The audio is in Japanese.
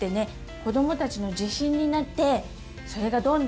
子どもたちの自信になってそれがどんどんね